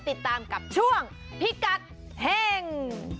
ติดตามกับช่วงพิกัดเฮ่ง